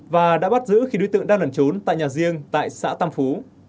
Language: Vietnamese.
và đã bắt giữ khi đối tượng đang lẩn trốn tại nhà riêng tại xã tam phú